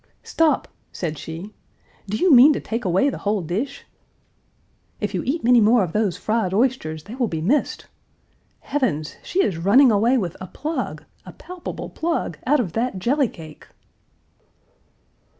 "Stop!" said she. "Do you mean to take away the whole dish?" "If you eat many more of those fried oysters they will be missed. Heavens! She is running away with a plug, a palpable plug, out of that jelly cake!"